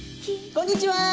こんにちは。